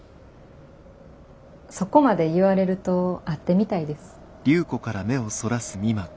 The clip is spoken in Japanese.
そこまで言われると会ってみたいです。